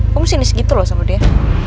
kamu sinis gitu loh sama dia